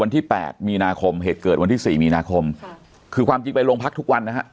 วันที่๘มีนาคมเหตุเกิดวันที่๔มีนาคมคือความจริงไปลงทักทุกวันนะฮะ